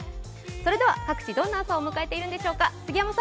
それでは各地、どんな朝を迎えているんでしょうか。